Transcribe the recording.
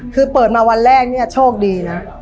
คือเปิดมาวันแรกเนี่ยโชคดีนะ